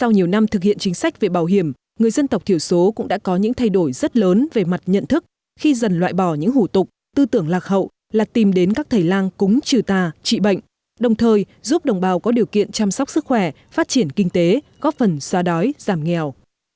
nhiều năm thực hiện chính sách về bảo hiểm người dân tộc thiểu số cũng đã có những thay đổi rất lớn về mặt nhận thức khi dần loại bỏ những hủ tục tư tưởng lạc hậu là tìm đến các thầy lang cúng trừ tà trị bệnh đồng thời giúp đồng bào có điều kiện chăm sóc sức khỏe phát triển kinh tế góp phần xóa đói giảm nghèo